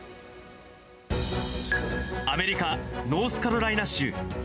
アメリカ・ノースカロライナ州。